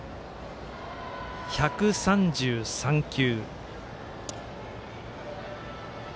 １３３球。